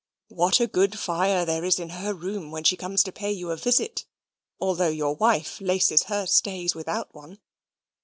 What a good fire there is in her room when she comes to pay you a visit, although your wife laces her stays without one!